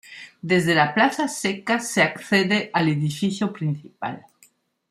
Desde la plaza seca se accede al edificio principal.